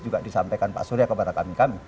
juga disampaikan pak surya kepada kami kami